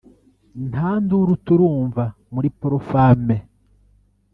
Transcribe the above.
nta nduru turumva muri Pro-Femmes